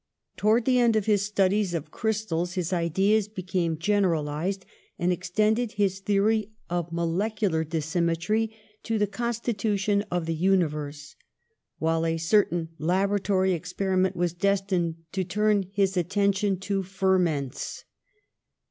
Towards the end of his studies of crystals his ideas became gen eralised, and extended his theory of molecular dissymmetry to the constitution of the uni verse, while a certain laboratory experiment was destined to turn his attention to ferments.